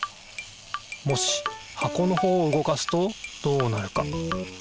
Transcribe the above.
もし箱のほうを動かすとどうなるか？